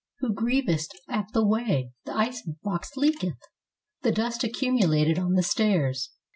Who griev'^t at the way the ice box Ieaketh, the dust accumulated on the stairs.